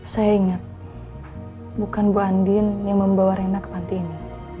saya ingat bukan bu andin yang membawa rena ke panti ini